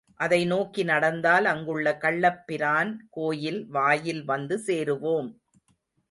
அதை நோக்கி நடந்தால் அங்குள்ள கள்ளப்பிரான் கோயில் வாயில் வந்து சேருவோம்.